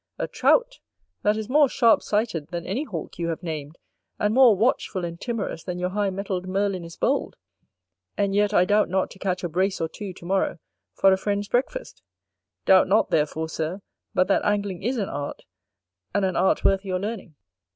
a Trout! that is more sharp sighted than any Hawk you have named, and more watchful and timorous than your high mettled Merlin is bold? and yet, I doubt not to catch a brace or two to morrow, for a friend's breakfast: doubt not therefore, Sir, but that angling is an art, and an art worth your learning.